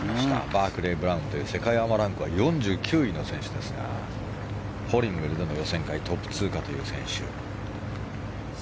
バークレー・ブラウンという世界アマランク４９位の選手ですがホリンウェルでの予選会トップ通過という選手。